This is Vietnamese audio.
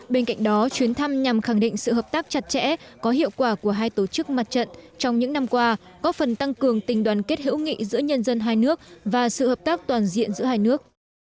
bên cạnh đó chuyến thăm nhằm khẳng định sự hợp tác chặt chẽ có hiệu quả của hai tổ chức mặt trận trong những năm qua có phần tăng cường tình đoàn kết hữu nghị giữa nhân dân hai nước và sự hợp tác toàn diện giữa hai nước